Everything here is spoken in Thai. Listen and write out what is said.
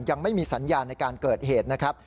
ยังไม่มีสัญญาณในการเกิดเหตุนะครับ